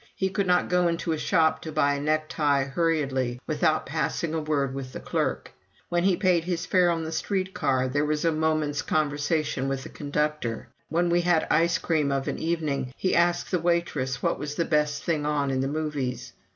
He could not go into a shop to buy a necktie hurriedly, without passing a word with the clerk; when he paid his fare on the street car, there was a moment's conversation with the conductor; when we had ice cream of an evening, he asked the waitress what was the best thing on in the movies.